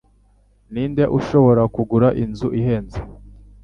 Ninde ushobora kugura inzu ihenze?